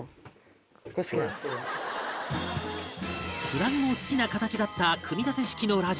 プラグも好きな形だった組み立て式のラジオ